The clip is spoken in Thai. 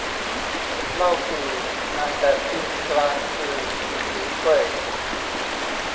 เล่าปี่ อ่านแบบจีนกลางคือ หลิวเป้ย